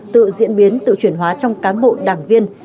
tự diễn biến tự chuyển hóa trong cán bộ đảng viên